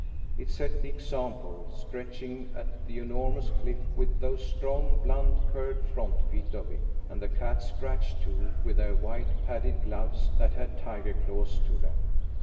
It set the example, scratching at the enormous cliff with those strong, blunt, curved front feet of it. And the cats scratched too, with their white, padded gloves that had tiger claws to them.